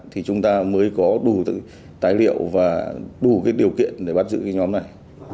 thì chúng ta mới có đủ tài liệu và đủ cái điều kiện để bắt giữ cái nhóm này